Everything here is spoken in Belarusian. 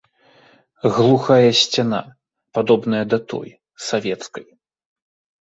Глухая сцяна, падобная да той, савецкай.